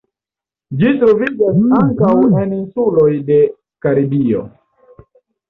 Ĝi troviĝas ankaŭ en insuloj de Karibio.